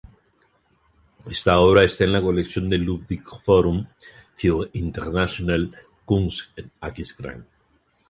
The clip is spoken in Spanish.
Esta obra está en la colección del Ludwig Forum für Internationale Kunst en Aquisgrán.